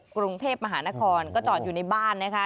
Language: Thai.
กรุงเทพมหานครก็จอดอยู่ในบ้านนะคะ